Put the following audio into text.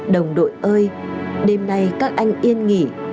đồng đội ơi đêm nay các anh yên nghỉ